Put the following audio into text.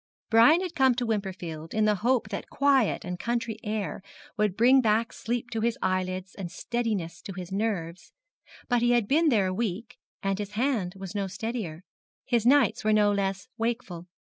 Brian had come to Wimperfield in the hope that quiet and country air would bring back sleep to his eyelids and steadiness to his nerves; but he had been there a week, and his hand was no steadier, his nights were no less wakeful.